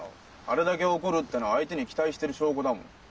あれだけ怒るってのは相手に期待してる証拠だもん。